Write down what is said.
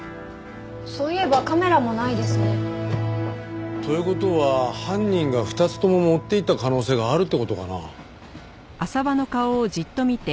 そういえばカメラもないですね。という事は犯人が２つとも持っていった可能性があるって事かな？